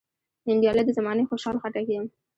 ننګیالی د زمانې خوشحال خټک یم .